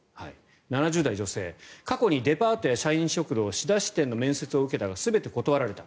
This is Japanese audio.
７０代女性過去にデパートや社員食堂仕出し店の面接を受けたが全て断られた。